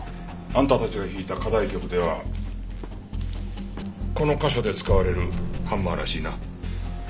あんたたちが弾いた課題曲ではこの箇所で使われるハンマーらしいな。